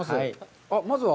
まずは？